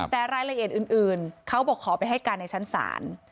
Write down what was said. แต่รายละเอียดอื่นเขาบอกขอไปให้การในชั้นศาล